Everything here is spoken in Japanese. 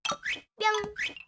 ぴょん。